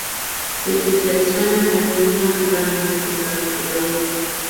Se especializó en la familia Ranunculaceae.